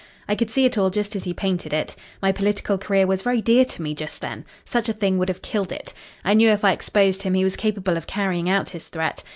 "I could see it all just as he painted it. My political career was very dear to me just then. Such a thing would have killed it. I knew if I exposed him he was capable of carrying out his threat.